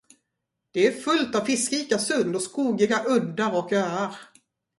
Det är fullt av fiskrika sund och skogiga uddar och öar.